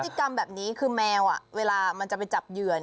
กรรมแบบนี้คือแมวเวลามันจะไปจับเหยื่อน